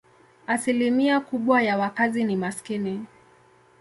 Asilimia kubwa ya wakazi ni maskini.